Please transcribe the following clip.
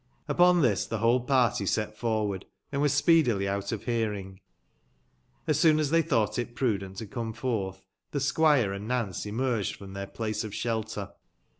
Upon this the whole party set forward, and were speedily out of hearing. As soon as they thonght it prudent to come f orth, the squire and Nance emerged from their place of shelter.